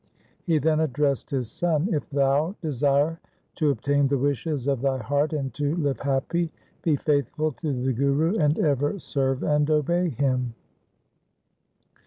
He then addressed his son, ' If thou desire to obtain the wishes of thy heart and to live happy, be faithful to the Guru and ever serve and obey him.'